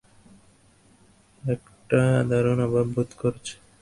একটা দারুণ অভাব বোধ করছে।